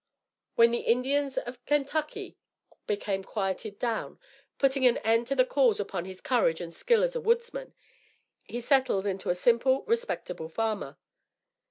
When the Indians of Kentucky became quieted down, putting an end to the calls upon his courage and skill as a woodsman, he settled into a simple, respectable farmer.